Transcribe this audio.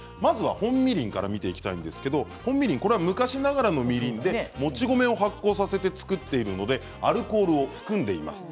本みりん、昔ながらのみりんでもち米を発酵させて造っているのでアルコールを含んでいます。